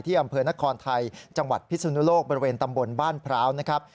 อำเภอนครไทยจังหวัดพิสุนุโลกบริเวณตำบลบ้านพร้าวนะครับ